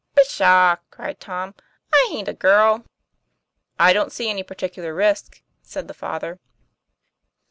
"Pshaw!" cried Tom, "I ain't a girl." 'I don't see any particular risk," said the father.